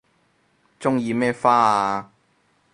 鍾意咩花啊